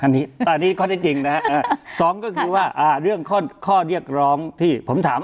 อันนี้อันนี้ข้อได้จริงนะฮะสองก็คือว่าเรื่องข้อเรียกร้องที่ผมถาม